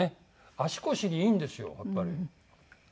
足腰にいいんですよやっぱり。